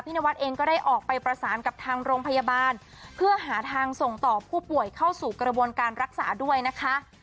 นวัดเองก็ได้ออกไปประสานกับทางโรงพยาบาลเพื่อหาทางส่งต่อผู้ป่วยเข้าสู่กระบวนการรักษาด้วยนะคะ